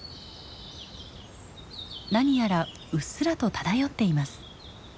何やらうっすらと漂っています。